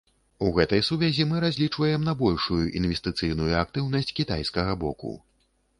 У гэтай сувязі мы разлічваем на большую інвестыцыйную актыўнасць кітайскага боку.